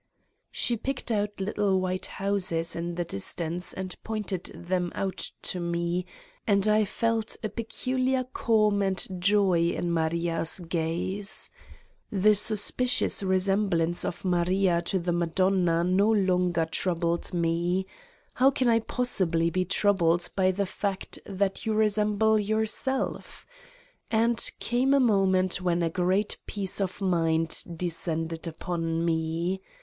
She picked out little white houses in the distance and pointed them out to me and I felt a peculiar calm and joy in Maria's gaze. The suspicious resemblance of Maria to the Madonna no longer troubled me: how can I possibly be troubled by 85 Satan's Diary the fact that you resemble yourself? And came a moment when a great peace of mind descended npon me.